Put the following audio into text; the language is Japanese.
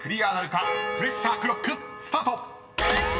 ［プレッシャークロックスタート！］